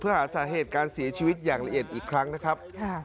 เพื่อหาสาเหตุการเสียชีวิตอย่างละเอียดอีกครั้งนะครับ